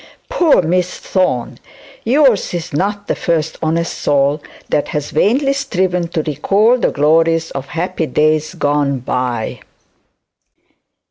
Poor Miss Thorne! yours is not the first honest soul that has vainly striven to recall the glories of happy days gone by!